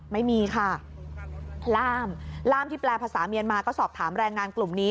ไม่มีค่ะล่ามล่ามที่แปลภาษาเมียนมาก็สอบถามแรงงานกลุ่มนี้